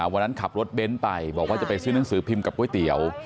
วันนั้นขับรถเบ้นไปบอกว่าจะไปซื้อหนังสือพิมพ์กับก๋วยเตี๋ยว